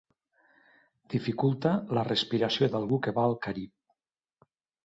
Dificulta la respiració d'algú que va al Carib.